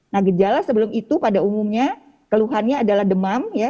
nah gejala sebelum itu pada umumnya keluhannya adalah demam ya